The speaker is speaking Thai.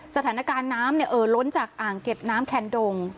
สถานการณ์น้ำเอ่อล้นจากอ่างเก็บน้ำแคนดง